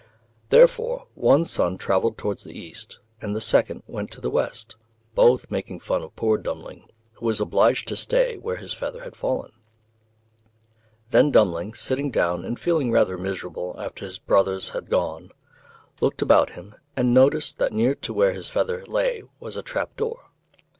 Therefore one son travelled towards the east, and the second went to the west, both making fun of poor Dummling, who was obliged to stay where his feather had fallen. Then Dummling, sitting down and feeling rather miserable after his brothers had gone, looked about him, and noticed that near to where his feather lay was a trap door.